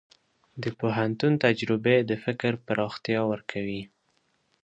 د پوهنتون تجربې د فکر پراختیا ورکوي.